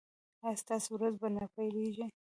ایا ستاسو ورځ به نه پیلیږي؟